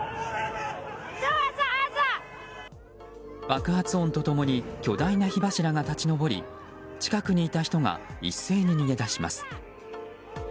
爆発音と共に巨大な火柱が立ち上り近くにいた人が一斉に逃げ出します。